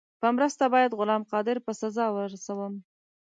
په مرسته باید غلام قادر په سزا ورسوم.